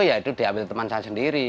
ya itu diambil teman saya sendiri